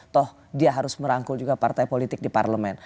toh dia harus merangkul juga partai politik di parlemen